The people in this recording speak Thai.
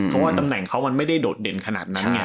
เพราะว่าตำแหน่งเขามันไม่ได้โดดเด่นขนาดนั้นไง